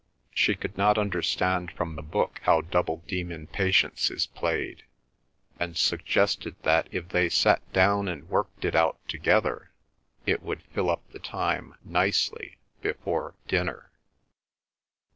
She could not understand from the book how Double Demon patience is played; and suggested that if they sat down and worked it out together it would fill up the time nicely before dinner.